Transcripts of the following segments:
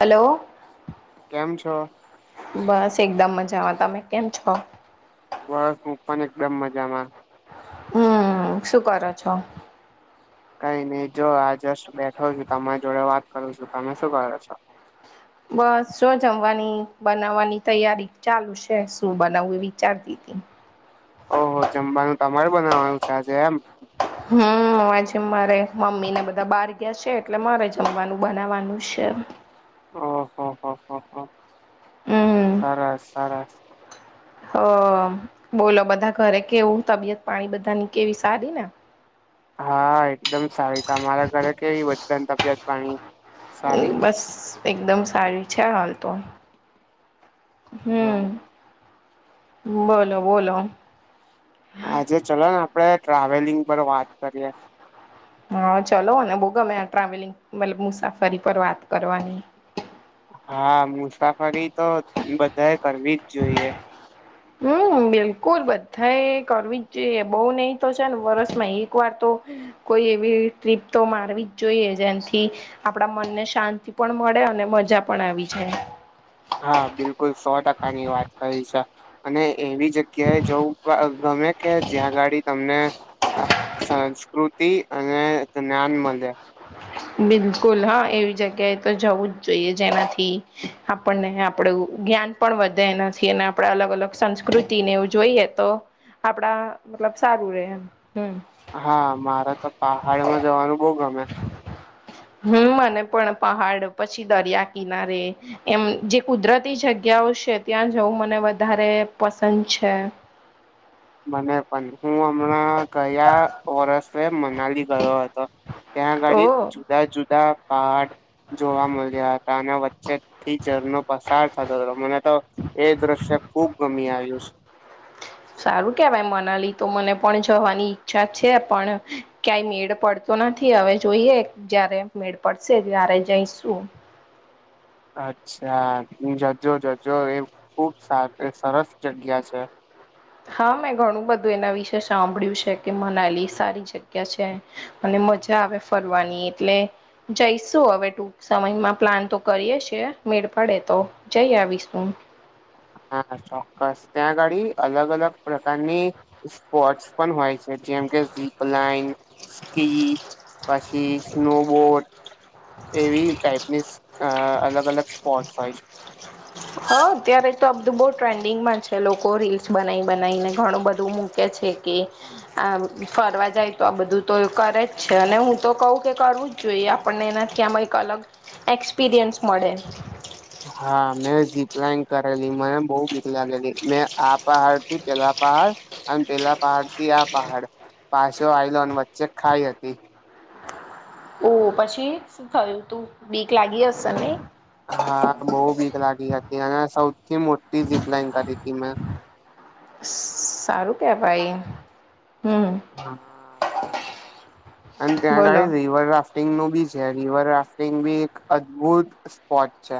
Hello કેમ છો? બસ એકદમ મજા માં તમે કેમ છો બસન એકદમ મજામાં હમ શું કરો છો કઈ નહી જો આજસ્ટ બેઠો છું તમારી જોડે વાત કરું છું તમે શું કરો છો બસ જો જમવાની બનાવવાની તૈયારી ચાલુ છે શું બનાવવું એ વિચારતી [inaudible] ઓહો જમવાનું તમારે બનાવાનું છે આજે એમ હમ આજે મારે મમ્મી ને બધા બહાર ગયા છે એટલે મારે જમવાનું બનાવાનું છે [unintelligible] ઓહોહહહ હમ સરસ સરસ હ બોલો બધા ઘરે કેવું તબિયત પાણી બધાની કેવી સારી ને હા એકદમ સારી તમારા ઘરે કેવી બધાની તબિયત પાણી સારી? બસ એકદમ સારી છે હાલ તો હમ બોલો બોલો આજે ચલો ને આપડે ટ્રાવેલિંગ પર વાત કરીએ હા ચલોને બોવ ગમે ટ્રાવેલિંગ મતલબ મુસાફરી પર વાત કરવાની હા મુસાફરી તો બધાએ કરવી જ જોઈએ હમ બિલકુલ બધા કરવી જઈએ બહુ નહી તો છે ને વર્ષ માં એક વાર તો કોઈ એવી ટીપ તો મારવી જ જોઈએ જેથી આપડા મને શાંતિ પણ મળે અને મજા પણ આવી જાય હા બિલકુલ સો ટકા ની વાત કરી છે અને એવી જગ્યાએ જવું ગમે કે જ્યાં ગાડી તમને અ સંસ્કૃતિ અને જ્ઞાન મળે બિલકુલ હા એવી જગ્યાએ તો જવું જ જોઈએ જેનાથી આપણને આપડું જ્ઞાન પણ વધે એના અને આપણેે અલગ અલગ સંસ્કૃતિને એવું જોઈએ તો આપડા મતલબ સારું રે એમ હમ હા મારેતો પહાડમાં જવાનું બહુ ગમે [inaudible] હમ મને પણ પહાડ પછી દરિયા કિનારે એમ જે કુદરતી જગ્યાઓ ત્યાં જવું મને વધારે પસંદ છે મને પણ હું હમણાં ગયા વર્ષે મનાલી ગયો હતો ત્યાં ઓ આગળ જુદા જુદા પહાડ જોવા મળ્યા હતા અને વચ્ચે ટીચર નો પસાર થતો હતો મને તો એ દ્રશ્ય ખુબ ગમી આવે [inaudible] સારું કેવાય મનાલી તો મને પણ જવાની ઈચ્છા છે પણ ક્યાંય મેળ પડતો નથી હવે જોઈએ જયારે મેળ પડશે ત્યારે જઈશું અચ્છા જજો જજો એ ખુબ સરસ જગ્યા છે હા મેં ઘણું બધું એના વિશે સાંભળ્યું છે કે મનાલી સારી જગ્યા છે મજા આવે ફરવાની એટલે જઈશું હવે ટૂક સમયમાં પ્લાન તો કરીએ છે મેળ પડે તો જય આવીશું હા ચોક્કસ ત્યાંગાડી અલગ અલગ પ્રકારની સ્પોટસ પણ હોય છે જેમ કે ઝીપલાઇન સ્કી પછી સ્નોબોટ એવી ટાઈપની અ અલગ અલગ સ્પોટસ હોય છે હ અત્યારે તો અબધું બહુ ટ્રેન્ડિંગમાં છે લોકો રીલ્સ બનાવી બનાવીને ઘણું બધું મુકે છે છે કે આ ફરવા જાય તો આ બધું તો કરે જ છે અને હું તો કહુ કે કરવું જ જોઈએ આપણને એનાથી એક અલગ એક્સપિરિયન્સ મળે હા મેં જીપલાઈન કરેલી મને બહુ બીક લાગેલી મેં આ પહાડ થી પેલા પહાડ અને પેલા પહાડ થી આ પહાડ પાછો આયલો અને વચ્ચે ખાઈ હતી ઓ પછી શું થયું તું બીક લાગી હસે નહી હા બહુ બીક લાગી હતી અને સૌથી મોટી ઝીપલાઇન કરી હતી મે સારું કે ભાઈ અને ત્યાં બોલો આગાળી રિવર રાફ્ટિંગ નું બી જ્યા રિવર રાફ્ટિંગ બી એક અદભુત સ્પોટ છે.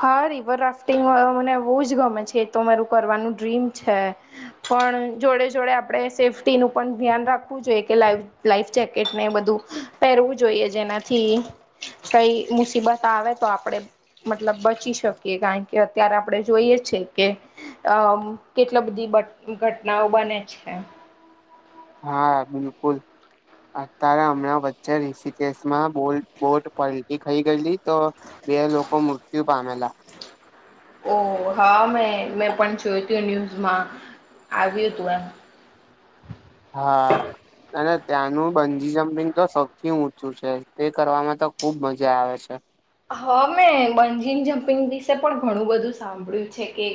હા રિવર રાફ્ટિંગ મને બહુ જ ગમે છે એ તો મારું કરવાનું ડ્રીમ છે. પણ જોડે જોડે આપણે સેફ્ટીનું પણ ધ્યાન રાખવું જોઈએ કે લાઈફ લાઈફ જેકેટને બધું પહેરવું જોઈએ જેનાથી કઈ મુસીબત આવે તો આપડે મતલબ બચી શકીએ કારણ કે અત્યારે આપણે જોઈએ છે કે અ કેટલી બધી ઘટનાઓ બને છે. હા બિલકુલ અત્યારે હમણાં વચ્ચે રીસી કેસમાં બોલટ પલટી ખાઈ ગયેલી તો બે લોકો મૃત્યુ પામેલા ઓ હા મેં મેં પણ જોયું તું ન્યૂઝમાં આવ્યું તું એમ હા અને ત્યાંનું બંજી જમ્પિંગ તો સૌથી ઊંચું છે તે કરવામાં તો ખુબ મજા આવે છે. હા મેં બંજી જમ્પિંગ વિશે પણ ઘણું બધું સાંભળ્યું છે કે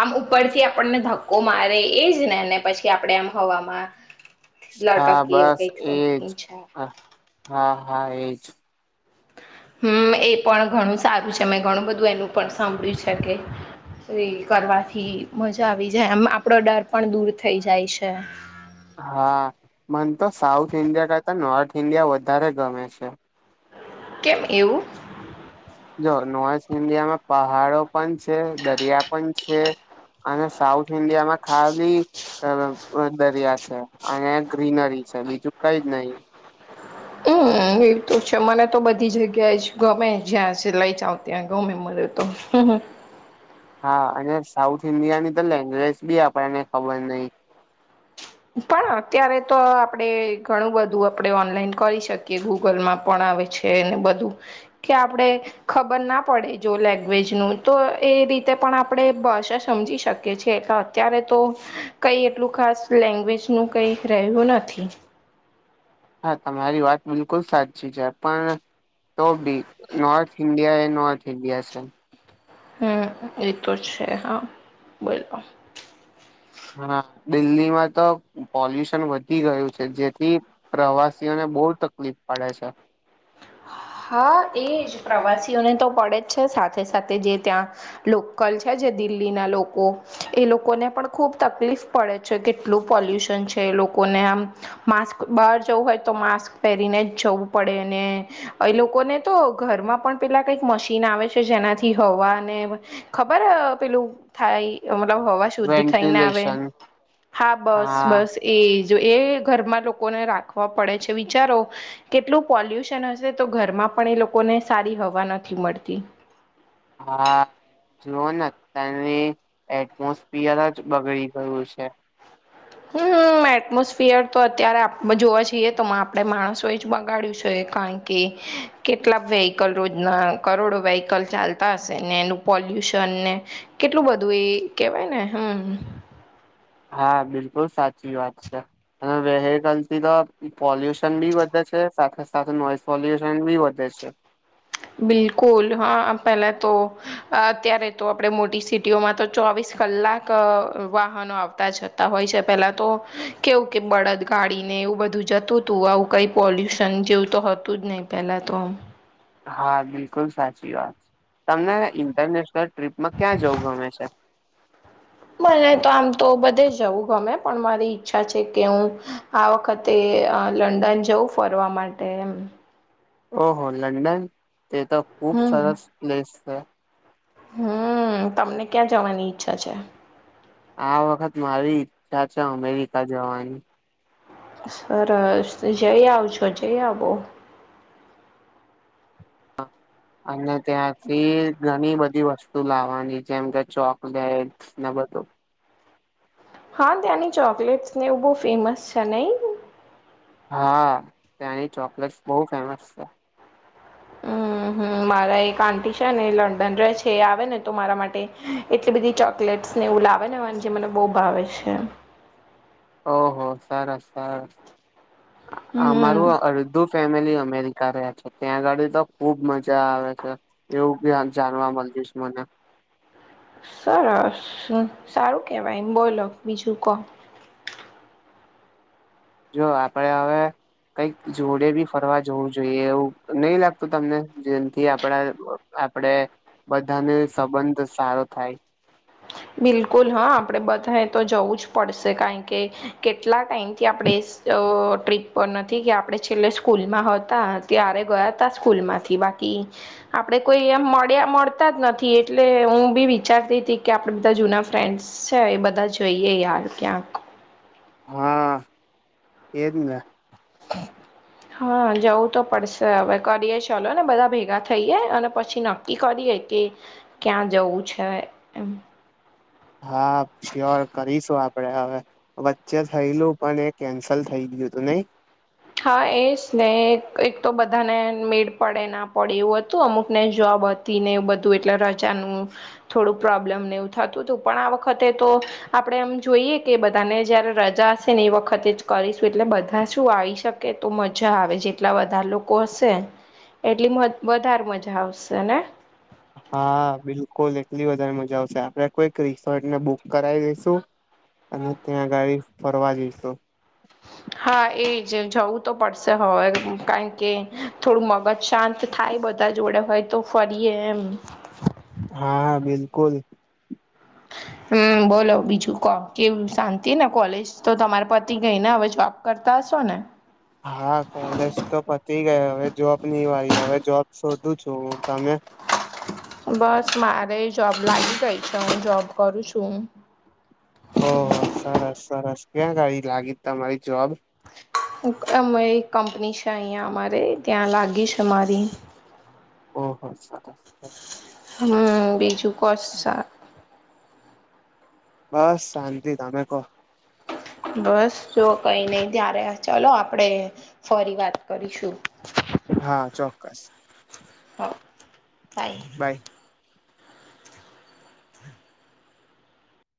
આમ ઉપર પછી આપણને ધક્કો મારે એજ ને અને પછી આપણેે એમ હવામાં હા લટકીએ એવું બસ કઈક એજ સમથિંગ છે. હા હા હા એજ હમ એ પણ ઘણું સારું છે મેં ઘણું બધું એનું પણ સાંભળ્યું છે કે એ કરવાથી મજા આવી જાય આમ આપડો ડર પણ દૂર થઈ જાય છે. હા મને તો સાઉથ ઈન્ડિયા કરતા નોર્થ ઇન્ડિયા વધારે ગમે છે. કેમ એવું જો નોર્થ ઇન્ડિયામાં પહાડો પણ છે દરિયા પણ છે. અને સાઉથ ઇન્ડિયામાં ખાલી દરિયા છે અને ગ્રીનરી છે બીજું કઈ જ નહી. એ હમ એવ તો છે મને તો બધી જગ્યાએ જ ગમે જ્યાં સિલાઈ ચાવ ત્યાં ગમે મે તો [inaudible] હા અને સાઉથ ઇન્ડિયાની તો લેન્ગવેજ બી આપણને ખબર નય પણ અત્યારે તો આપણેે ઘણું બધું આપણે ઓનલાઈન કરી શકીએ ગૂગલમાં પણ છે ને બધુ કે આપણે ખબર ના પડે જો લેંગ્વેજ નું તો એ રીતે પણ આપણે ભાષા સમજી શકીએ છીએ એટલે અત્યારે તો કઈ એટલું ખાસ લેંગ્વેજનું કંઈક રહ્યું નથી. હા તમારી વાત બિલકુલ સાચી છે પણ તો બી નોર્થ ઇન્ડિયા એ નોર્થ ઇન્ડિયા છે. હમ એતો છે હા બોલો હા દિલ્હીમાં તો પોલ્યુશન વધી ગયું છે જેથી પ્રવાસીઓને બો તકલીફ પડે છે. હા એજ પ્રવાસીઓને તો પડે જ છે સાથે સાથે જે ત્યાં લોકલ છે. જે દિલ્લી ના લોકો એ લોકોને પણ ખુબ તકલીફ પડે છે કેટલું પોલ્યુશન છે. લોકોને આમ માસ્ક બહાર જવું હોય તો માસ્ક પહેરીને જ જવું પડેને એ લોકોને તો ઘરમાં પણ પેલા કઈક મશીન આવે છે જેનાથી હવાને ખબર પેલું થાય લ હવા શુદ્ધ થઈને આવે વેન્ટિલેશન હા બસ હા બસ એજ જો એ ઘરમાં લોકોને રાખવા પડે છે વિચારો કેટલું પોલ્યુશન તો ઘરમાં પણ એ લોકોને સારી હવા નથી મળતી. હા જુઓ ને તયાની એટમોસ્ફિયર જ બગડી ગયું છે. હમ એટમોસફિયર તો અત્યારે જોવા જઈએ તો આપડે માણસો જ બગાડ્યું છે. કારણ કે કેટલા વેહકલ રોજના કરોડો વ્હકલ ચાલતા હશે ને એનું પોલ લ્યુન ને કેટલું બધું એ કેવાય ને હમ હા બિલકુલ સાચી વાત છે અને વેહકલ થી તો પોલ્યુશન બી વધે સાથે સાથે નોઈસ વોલ્યુશન બી વધે છે. બિલકુલ હા પેલા તો અત્યારે તો આપણે મોટી સિટીઓમાં તો ચોવીસ કલાક વાહનો આવતા જતા હોય છે પેલા તો કેવું કે બળદ ગાડી એવું બધું જતું હતું આવું કઈ પોલ્યુશન જેવું તો હતું જ નહિ પેલા તો આમ. હા બિલકુલ સાચી વાત છે તમને ઇન્ટરનેશનલ ટ્રીપમાં ક્યાં જવ હમેશા. મને તો આમ તો બધે જવું ગમે પણ મારી ઈચ્છા છે કે હું આ વખતે લંડન જઉં બ ફરવા માટે એમ. ઓહ લંડન તે તો ખૂબ હમ સરસ પ્લેસ છે. હમ તમને ક્યાં જવાની ઈચ્છા છે. આ વખત મા આવી ચાચા અમેરિકા જવાની. સરસ જઈ આવજો જઈ આવો. અને ત્યાંથી ઘણી બધી વસ્તુ લાવવાની જેમ કે ચોકલેટ [inaudible] હા ત્યાંની ચોકલેટસ ને એવું બહ ફેમસ છે નહી. હા ત્યાંની ચોકલેટસ બહુ ફેમસ છે. [inaudible] હ મારા એક આંટી છે ને લંડન ર છે એ આવે ને તો મારા માટે એટલી બધી ચોકલેટ. ને એવું લાવે ને હો જે મને બહુ ભાવે છે. ઓહ સરસ સરસ હમ અમારું અડધું ફેમિલી અમેરી. કર્યા છે ત્યાં ગાડી તો ખુબ મજા આવે છે એવું બી જાણવા મળ જશ મને. સરસ સારું કેવાય એમ બોલો બીજું ક. હ [unintelligible] જો આપડે હવે. કઈક જોડે બી ફરવા જોવું જોઈએ એવું નઈ લાગતું તમને જેમથી આપડા. આપડે બધાને સંબંધ સારો થાય. બિલકુલ હા આપડે બધા તો જવું જ પડશે કારણ કે કેટલાક. ટાઈમથી આપણે. ટ્રીપ પર નથી કે આપણે છેલ્લે સ્કૂલમાં હતા ત્યારે ગયા હતા સ્કૂલમાંથી બાકી. આપડે કોઈ એમ મળ્યા મળતા જ નથી એટલે હું બી વિચારતી હતી કે. આપ બધા જૂના ફ્રેન્ડ્સ છે એ બધા જોઈએ યાર ક્યાંક. હા એજ ને. હ [unintelligible] હા જવું તો પડશે હવે કરીએ ચલો ને બધા ભેગા થઈએે અને પછી નક્કી કરીએે. કે ક્યાં જવું છે એમ. હા શ્યોર કરીશું આપડે હવે વચ્ચે થયલું પણ એ કેન્સલ થઈ ગયું. ગું તોું નહી. હા એ જ ને એક તો બધાને મેળ પડે ના પડે એવું હતું અમુક ને જવાબ. ને એવું બધું એટલે રજાનું થોડું પ્રોબ્લેમ ને એવું થતું હતું પણ આ વખતે તો. આપણે એમ જોઈએ કે બધાને જય્યારે રજા હશે ને એ વખતે જ કરીશું એટલે બધા શું આવીશ. શકે તો મજા આવે જેટલા વધારે લોકો હશે. એટલી વધારે મજા આવશે ને. હા બિલકુલ એટલી વધારે મજા આવશે આપડ કોઈક રિસોર્ટ ને બુક કરાવી દઈશુ. અને ત્યાં ગાડી ફરવા જઈશું. હા એજ જવું તો પડશે હવે કારણ કે થોડું મગજ શાંત થાય. બધા જોડે હોય તો ફરીએ એમ. હા હા બિલકુલ. [inaudible] હમ બોલો બીજું ક કે શાંતિ ને કોલેજ તો તમારા પતિ કઈ ને હવે જોબ કરતા. સોને. હા કોલેજ તો પતી અ ગઈ હવે જોબ નની વાય હવે જોબ. શોધું છું હું તમે. બસ મારે જોબ લાગી ગઈ છે હું જોબ કરું છું. ઓહ હો સરસ સરસ ક્યાં ગડી લાગી તમારી જોબ. અ એક કંપની છે અહીિયાંયા અમારે ત્યાં લાગી છે મારી. હ હ. હમ બીજું કોસા બસ શાંતિ તમે કહો. બસ જો કઈ નઈ ત્યારે ચાલો આપણેે ફરી વાત કરીશું. હા ચોક્કસ હો તાઈ બાય